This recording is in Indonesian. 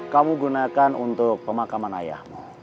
kamu gunakan untuk pemakaman ayahmu